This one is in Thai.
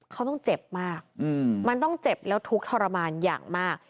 เขาต้องเจ็บมากมันต้องเจ็บแล้วทุกข์ทรมานอย่างมาก